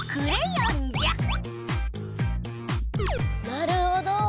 なるほど。